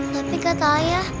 tapi kata ayah